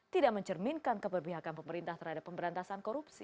tidak mencerminkan keberpihakan pemerintah terhadap pemberantasan korupsi